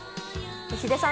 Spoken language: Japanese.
ヒデさん